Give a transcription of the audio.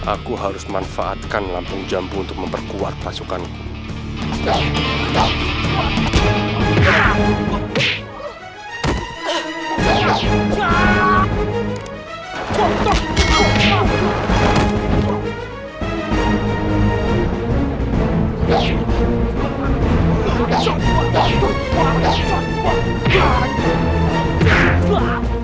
aku harus memanfaatkan lampung jambu untuk memperkuat pasukanku